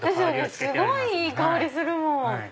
すごいいい香りするもん。